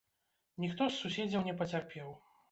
Ніхто з суседзяў не пацярпеў.